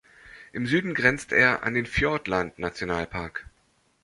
Im Süden grenzt er an den Fiordland-Nationalpark.